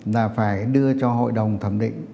là phải đưa cho hội đồng thẩm định